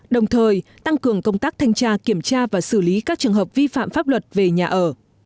đồng thời tăng cường công tác thanh tra kiểm tra và xử lý các trường hợp vi phạm pháp luật về nhà ở